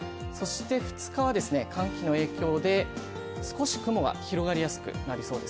２日は寒気の影響で少し雲が広がりやすくなりそうです。